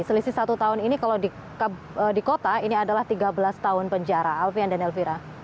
selisih satu tahun ini kalau di kota ini adalah tiga belas tahun penjara alfian dan elvira